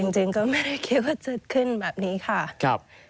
จริงก็ไม่ได้คิดว่าจะขึ้นแบบนี้ค่ะ